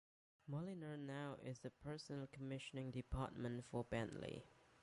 Mulliner now is the personal commissioning department for Bentley.